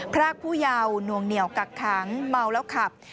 พรากผู้เยาว์วงเหนียวกักขังเมาแล้วขับ